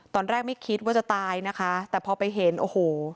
ตอนแรกไม่คิดว่าจะตายนะคะแต่พอไปเห็นโอ้โห